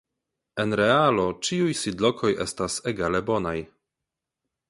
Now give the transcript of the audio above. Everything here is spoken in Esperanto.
En realo ĉiuj sidlokoj estas egale bonaj.